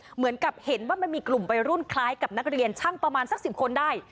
เหมือนกับเห็นว่ามันมีกลุ่มวัยรุ่นคล้ายกับนักเรียนช่างประมาณสัก๑๐คนได้